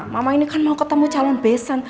mama ini kan mau ketemu calon besen